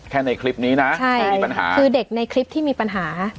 ในคลิปนี้นะใช่มีปัญหาคือเด็กในคลิปที่มีปัญหา